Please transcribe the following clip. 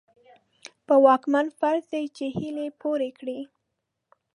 په واکمن فرض دي چې هيلې پوره کړي.